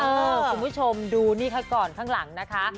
คุณผู้ชมดูนี่ค่ะก่อนข้างหลังนะคะ